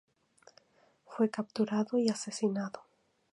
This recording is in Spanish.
Fue capturado y asesinado.